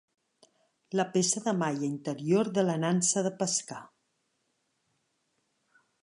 La peça de malla interior de la nansa de pescar.